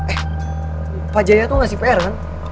eh pak jaya tuh ngasih pr kan